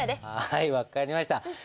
はい分かりました。